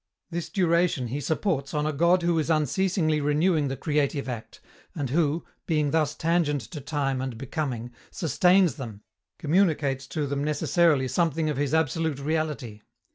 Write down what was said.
This duration he supports on a God who is unceasingly renewing the creative act, and who, being thus tangent to time and becoming, sustains them, communicates to them necessarily something of his absolute reality.